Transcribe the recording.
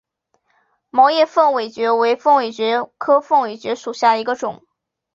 毛叶凤尾蕨为凤尾蕨科凤尾蕨属下的一个种。